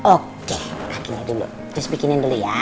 oke kakinya dulu terus bikinin dulu ya